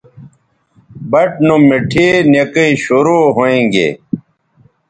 بَٹ نو مٹھے نکئ شروع ھویں گے